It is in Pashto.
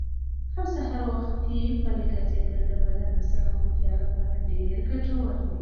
هر سهار وختي پلي ګرځېدل د بدن د سلامتیا لپاره ډېر ګټور دي.